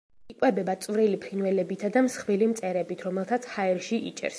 იკვებება წვრილი ფრინველებითა და მსხვილი მწერებით, რომელთაც ჰაერში იჭერს.